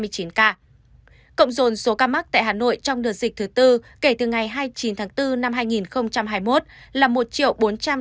cộng dồn số ca mắc tại hà nội trong đợt dịch thứ tư kể từ ngày hai mươi chín tháng bốn năm hai nghìn hai mươi một là một bốn trăm tám mươi ba năm mươi bốn ca